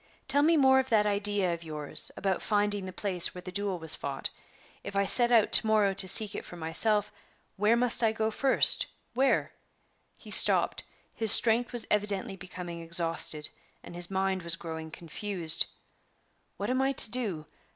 Tell me more of that idea of yours about finding the place where the duel was fought. If I set out to morrow to seek for it myself, where must I go to first? where?" He stopped; his strength was evidently becoming exhausted, and his mind was growing confused. "What am I to do?